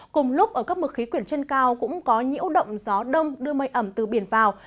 cùng lúc ở các mực khí quyển trên cao cũng có nhiễu động gió đông đưa mây ẩm từ biển vào